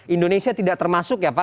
indonesia tidak termasuk ya pak